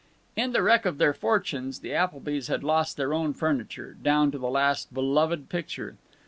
In the wreck of their fortunes the Applebys had lost their own furniture, down to the last beloved picture.